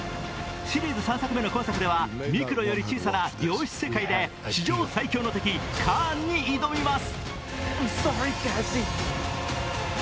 シリーズ３作目の今作ではミクロより小さな量子世界で史上最凶の敵、カーンに挑みます。